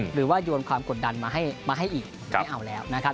หรือว่าโยนความกดดันมาให้อีกไม่เอาแล้วนะครับ